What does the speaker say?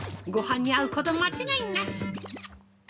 ごはんに合うこと間違いなし！